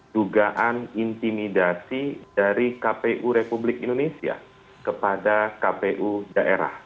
dugaan intimidasi dari kpu republik indonesia kepada kpu daerah